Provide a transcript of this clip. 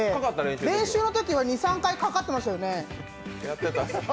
練習のときは２３回かかってましたよね。